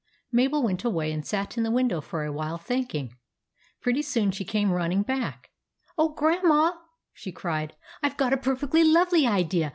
Mabel went away and sat in the window for a while, thinking. Pretty soon she came running back again. " Oh, Grandma !" she cried. " I 've got a perfectly lovely idea.